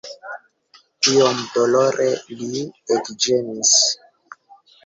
Iom dolore li ekĝemis.